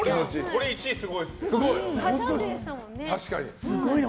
これ１位すごいですね。